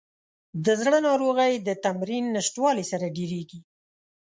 د زړه ناروغۍ د تمرین نشتوالي سره ډېریږي.